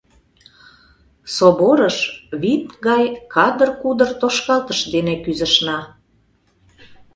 Соборыш винт гай кадыр-кудыр тошкалтыш дене кӱзышна.